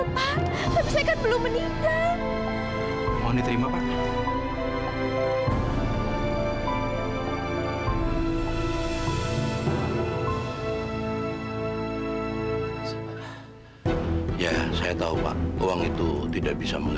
pasti berat sekali buat kamu